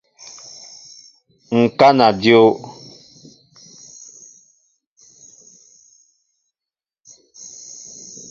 Ŋkana dyǒw.